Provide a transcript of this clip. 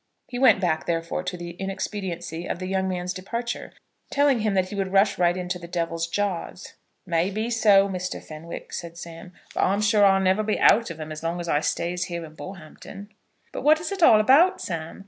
He went back, therefore, to the inexpediency of the young man's departure, telling him that he would rush right into the Devil's jaws. "May be so, Mr. Fenwick," said Sam, "but I'm sure I'll never be out of 'em as long as I stays here in Bullhampton." "But what is it all about, Sam?"